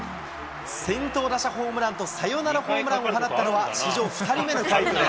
先頭打者ホームランとサヨナラホームランを放ったのは史上２人目の快挙です。